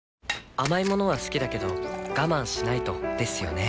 甘い物は好きだけど我慢しないとですよね